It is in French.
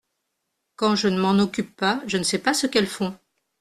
Quand je ne m’en occupe pas je ne sais pas ce qu’elles font.